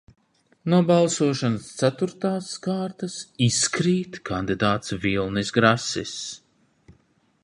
"No balsošanas ceturtās kārtas "izkrīt" kandidāts Vilnis Grasis."